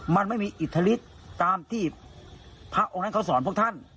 มันไม่มีอิทธิฤทธิ์ตามที่พระองค์นั้นเขาสอนพวกท่าน